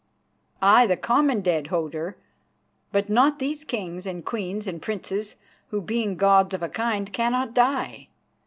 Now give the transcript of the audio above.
"Aye, the common dead, Hodur; but not these kings and queens and princes, who, being gods of a kind, cannot die.